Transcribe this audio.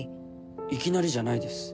いきなりじゃないです。